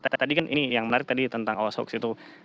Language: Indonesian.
dan tadi kan ini yang menarik tadi tentang awas hoax itu